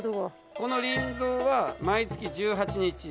この輪蔵は毎月１８日。